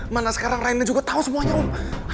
mana sekarang raina juga tahu semuanya om